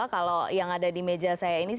kalau yang ada di meja saya ini